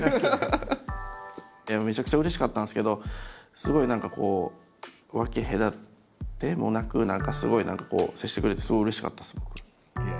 めちゃくちゃうれしかったんですけどすごい何かこう分け隔てもなくすごい何かこう接してくれてすごいうれしかったです僕。